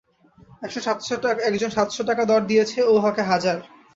একজন সাতশো টাকা দর দিয়েছে, ও হাকে হাজার।